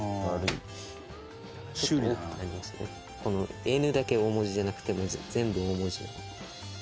宗久君：「Ｎ」だけ大文字じゃなくて、全部大文字。